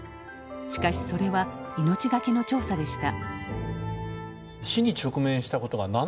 しかしそれは命懸けの調査でした。